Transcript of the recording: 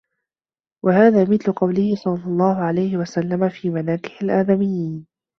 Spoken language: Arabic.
وَهَذَا مِثْلُ قَوْلِهِ صَلَّى اللَّهُ عَلَيْهِ وَسَلَّمَ فِي مَنَاكِحِ الْآدَمِيِّينَ